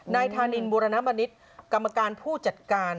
นายธานินบุรณมณิษฐ์กรรมการผู้จัดการ